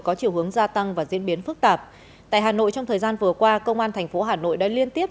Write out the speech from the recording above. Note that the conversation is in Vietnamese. có chiều hướng gia tăng và diễn biến phức tạp tại hà nội trong thời gian vừa qua công an thành phố hà nội đã liên tiếp